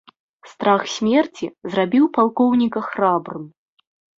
Страх смерці зрабіў палкоўніка храбрым.